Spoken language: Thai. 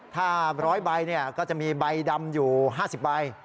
ถ้า๑๐๐ใบก็จะมีใบดำอยู่๕๐ใบ